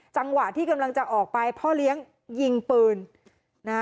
จังหวะที่กำลังจะออกไปพ่อเลี้ยงยิงปืนนะฮะ